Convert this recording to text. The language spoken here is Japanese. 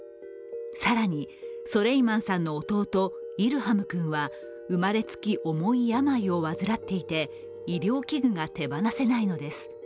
更に、ソレイマンさんの弟、イルハム君は生まれつき重い病を患っていて医療器具が手放せないのです。